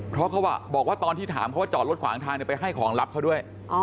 เพราะเขาบอกว่าตอนที่ถามเขาว่าจอดรถขวางทางไปให้ของลับเขาด้วย